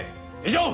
以上！